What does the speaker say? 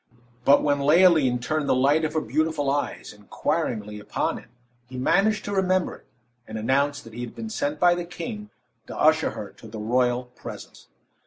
But when Leoline turned the light of her beautiful eyes inquiringly upon him, he managed to remember it, and announced that he had been sent by the king to usher her to the royal presence.